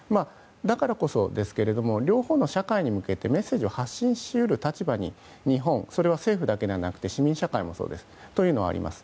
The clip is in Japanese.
だからこそですけれども両方の社会に向けてメッセージを発信し得る立場に政府だけでなく、市民社会もそうですが日本はあります。